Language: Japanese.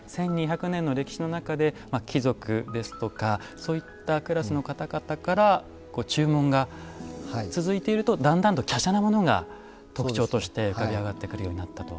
１２００年の歴史の中で貴族ですとかそういったクラスの方々から注文が続いているとだんだんときゃしゃなものが特徴として浮かび上がってくるようになったと。